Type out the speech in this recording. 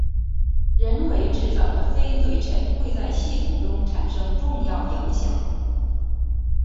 人为制造的非对称会在系统中产生重要影响。